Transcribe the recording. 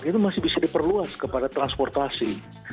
itu masih bisa diperluas kepada transportasi